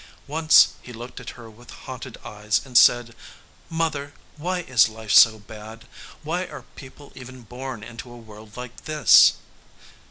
Once, he looked at her with haunted eyes and said: "Mother, why is life so bad? Why are people even born into a world like this?"